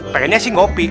pengennya sih ngopi